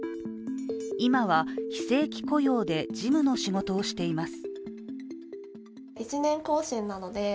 今は非正規雇用で事務の仕事をしています。